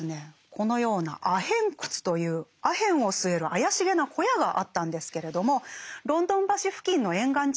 このようなアヘン窟というアヘンを吸える怪しげな小屋があったんですけれどもロンドン橋付近の沿岸地域にあるアヘン